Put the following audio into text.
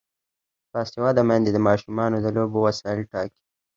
باسواده میندې د ماشومانو د لوبو وسایل ټاکي.